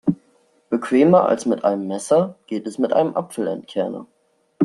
Bequemer als mit einem Messer geht es mit einem Apfelentkerner.